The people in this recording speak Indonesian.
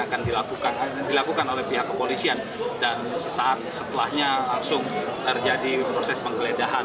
akan dilakukan oleh pihak kepolisian dan sesaat setelahnya langsung terjadi proses penggeledahan